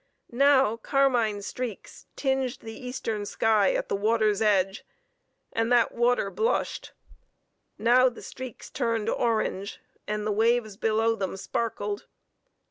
Now carmine streaks tinged the eastern sky at the water's edge; and that water blushed; now the streaks turned orange, and the waves below them sparkled.